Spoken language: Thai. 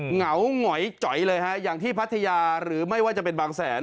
เหงาหงอยจ๋อยเลยฮะอย่างที่พัทยาหรือไม่ว่าจะเป็นบางแสน